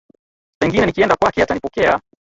Pengine nikienda kwake atanipokea